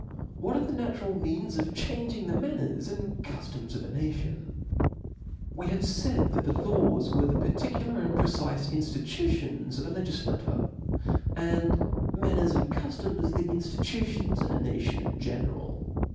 What are the natural Means of changing the Manners an4 Cujioms of a Nation. XXr E have faid that the laws were the par B p o k ^^ ticular and prcciJfe inftitutions of a legif q^^^ )ator, and manners and cuftoms the iciflitutions of a nation in generiil.